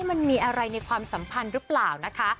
มันมีอะไรในความสัมพันธ์หรือเปล่านะคะ